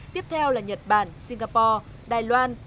tiếp theo là nhật bản singapore đài loan